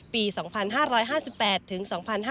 ปี๒๕๕๘ถึง๒๕๕๙